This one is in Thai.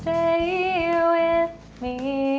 โอ้โห